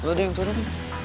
lo udah yang turun